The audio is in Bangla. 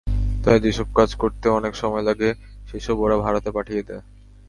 তাই যেসব কাজ করতে অনেক সময় লাগে, সেসব ওরা ভারতে পাঠিয়ে দেয়।